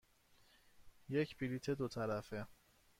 یک بلیط دو طرفه.